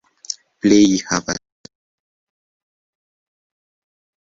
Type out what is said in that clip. Plej havas la saman bazan strukturon.